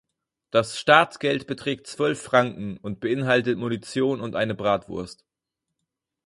Das Startgeld beträgt zwölf Franken und beinhaltet Munition und eine Bratwurst.